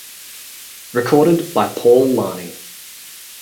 Recorded by Paul Lani.